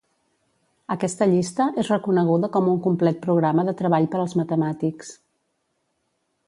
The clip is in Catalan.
Aquesta llista és reconeguda com un complet programa de treball per als matemàtics.